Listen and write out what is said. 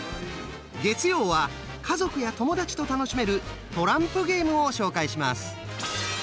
月曜は家族や友達と楽しめるトランプゲームを紹介します。